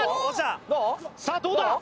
さあどうだ？